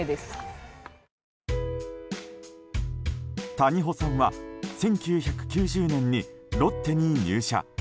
谷保さんは１９９０年にロッテに入社。